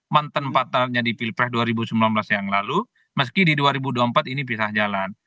mantan partnernya di pilpres dua ribu sembilan belas yang lalu meski di dua ribu dua puluh empat ini pisah jalan